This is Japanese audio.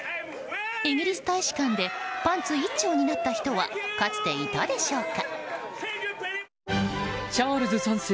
イギリス大使館でパンツ一丁になった人はかつて、いたでしょうか？